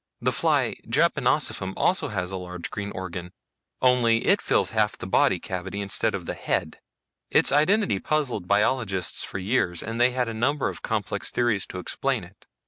The fly Drepanosiphum also had a large green organ, only it fills half of the body cavity instead of the head. Its identity puzzled biologists for years, and they had a number of complex theories to explain it.